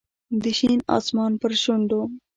د شین اسمان پر شونډو